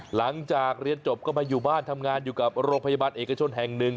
หลังจากเรียนจบก็มาอยู่บ้านทำงานอยู่กับโรงพยาบาลเอกชนแห่งหนึ่ง